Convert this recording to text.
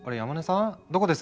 どこです？